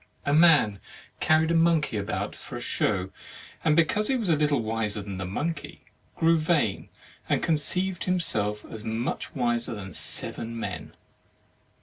37 THE MARRIAGE OF "A man carried a monkey about for a show, and because he was a Uttle wiser than the monkey, grew vain, and conceived himself as much wiser than seven men.